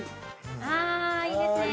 ああいいですね